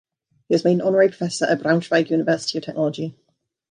He was made an honorary professor at Braunschweig University of Technology.